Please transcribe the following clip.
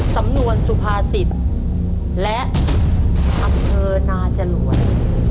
สำนวนสุภาษิตและอำเภอนาจรวด